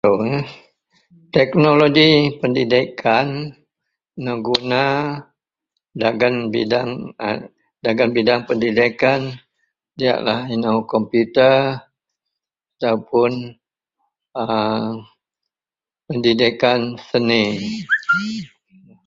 [unintelligible] Teknologi pendidikan neguna dagen bidang a, dagen bidang pendidikan diyaklah inou kompiuta ataupun a pendidikan seni.